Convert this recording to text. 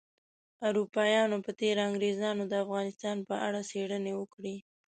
اروپایانو په تیره انګریزانو د افغانستان په اړه څیړنې وکړې